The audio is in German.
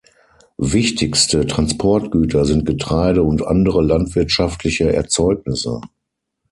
Wichtigste Transportgüter sind Getreide und andere landwirtschaftliche Erzeugnisse.